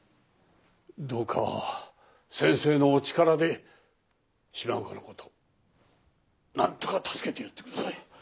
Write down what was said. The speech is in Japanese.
どうか先生のお力で島岡の事なんとか助けてやってください。